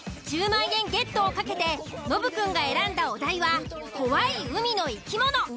１０万円ゲットを懸けてノブくんが選んだお題は「怖い海の生き物」。